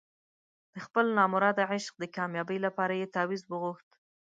د خپل نامراده عشق د کامیابۍ لپاره یې تاویز وغوښت.